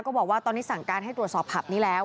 บอกว่าตอนนี้สั่งการให้ตรวจสอบผับนี้แล้ว